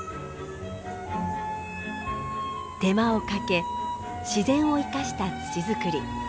手間をかけ自然を生かした土づくり。